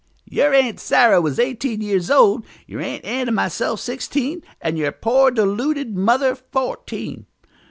"Your Aunt Sarah was eighteen years old, your Aunt Ann and myself sixteen, and your poor, deluded mother fourteen.